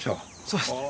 そうですね。